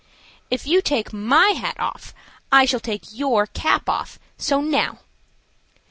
"If you take my hat off I shall take your cap off; so now."